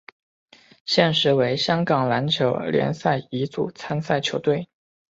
现时为香港篮球联赛乙组参赛球队。